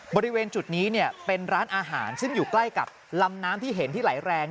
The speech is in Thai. บริเวณจุดนี้เป็นร้านอาหารซึ่งอยู่ใกล้กับลำน้ำที่เห็นที่ไหลแรง